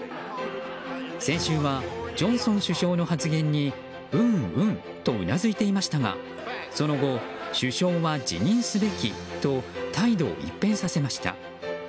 先週は、ジョンソン首相の発言にうんうんとうなずいていましたがその後、首相は辞任すべきと態度を一変させました。